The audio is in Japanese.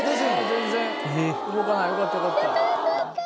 全然動かないよかった。